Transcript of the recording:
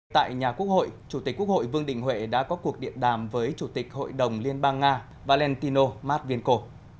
tại nhà quốc hội chủ tịch quốc hội vương đình huệ đã có cuộc điện đàm với chủ tịch hội đồng liên bang nga valentino matvienko